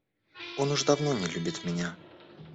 Он уж давно не любит меня.